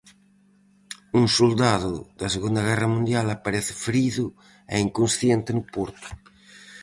Un soldado da Segunda Guerra Mundial aparece ferido e inconsciente no porto.